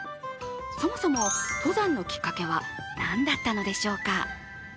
そもそも登山のきっかけは何だったのでしょうか。